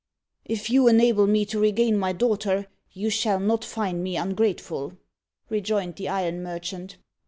"If you enable me to regain my daughter, you shall not find me ungrateful," rejoined the iron merchant.